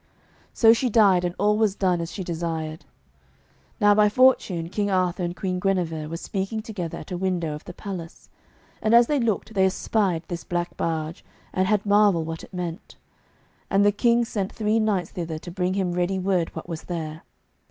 So she died, and all was done as she desired. Now by fortune King Arthur and Queen Guenever were speaking together at a window of the palace, and as they looked they espied this black barge, and had marvel what it meant. And the King sent three knights thither to bring him ready word what was there.